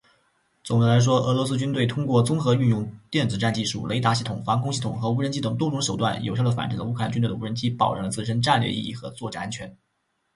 总的来说，俄罗斯军队通过综合运用电子战技术、雷达系统、防空系统和无人机等多种手段，有效地反制乌克兰军队的无人机，保障了自身的战略利益和作战安全。